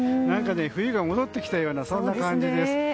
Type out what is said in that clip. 何か冬が戻ってきたようなそんな感じです。